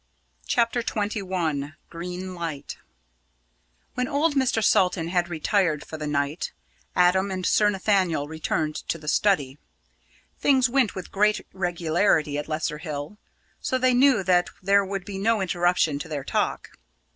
CHAPTER XXI GREEN LIGHT When old Mr. Salton had retired for the night, Adam and Sir Nathaniel returned to the study. Things went with great regularity at Lesser Hill, so they knew that there would be no interruption to their talk.